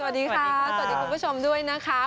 สวัสดีค่ะสวัสดีคุณผู้ชมด้วยนะคะ